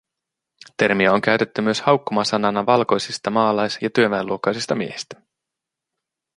Termiä on käytetty myös haukkumasanana valkoisista maalais- ja työväenluokkaisista miehistä